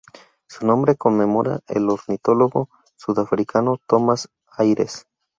Su nombre conmemora al ornitólogo sudafricano Thomas Ayres.